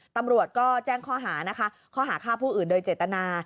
ตำรวจก็แจ้งข้อหานะคะข้อหาฆ่าผู้อื่นโดยเจตนา